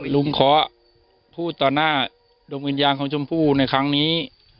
ลุงขอพูดต่อหน้าดวงวิญญาณของชมพู่ในครั้งนี้